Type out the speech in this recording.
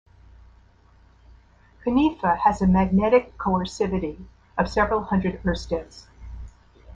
Cunife has a magnetic coercivity of several hundred oersteds.